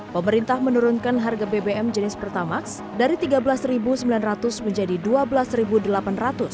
pemerintah menurunkan harga bbm jenis pertamax dari rp tiga belas sembilan ratus menjadi rp dua belas delapan ratus